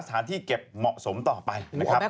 สถานที่เก็บเหมาะสมต่อไป